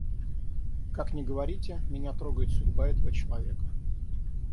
Как ни говорите, меня трогает судьба этого человека.